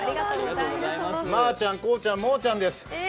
まーちゃん、こーちゃん、もーちゃんです。